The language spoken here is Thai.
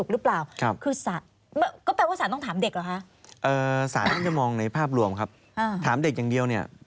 เลี้ยงเองไหมให้ความอกอุ่นได้ไหม